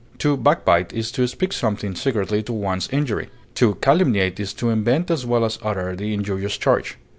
To backbite is to speak something secretly to one's injury; to calumniate is to invent as well as utter the injurious charge.